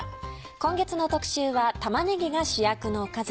今月の特集は「玉ねぎが主役のおかず」。